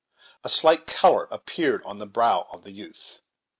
A slight color appeared on the brow of the youth.